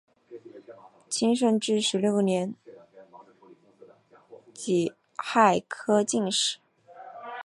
清顺治十六年己亥科进士。